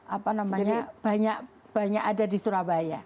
apa namanya banyak ada di surabaya